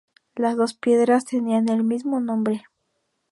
Las dos piedras tenían el mismo nombre.